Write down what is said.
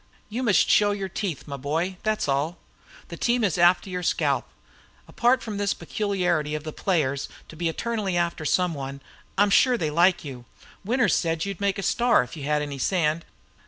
"You must show your teeth, my boy, that's all. The team is after your scalp. Apart from this peculiarity of the players to be eternally after someone, I'm sure they like you. Winters said you'd make a star if you had any sand.